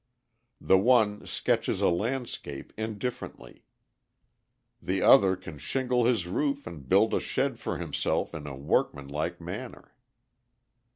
The one sketches a landscape indifferently; The other can shingle his roof and build a shed for himself in a workman like manner.